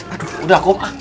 aduh udah kok